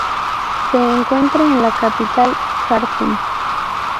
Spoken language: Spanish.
Se encuentra en la capital Jartum.